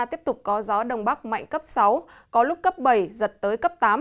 tiếp tục có gió đông bắc mạnh cấp sáu có lúc cấp bảy giật tới cấp tám